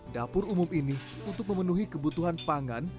dapur umum ini untuk memenuhi kebutuhan pangan